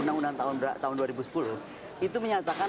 undang undang tahun dua ribu sepuluh itu menyatakan